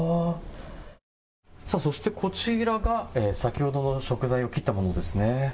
そしてこちらが先ほどの食材を切ったものですね。